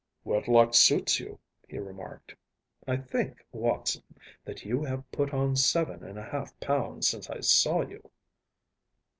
“Wedlock suits you,‚ÄĚ he remarked. “I think, Watson, that you have put on seven and a half pounds since I saw you.